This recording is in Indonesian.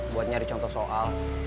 buat nyari contoh soal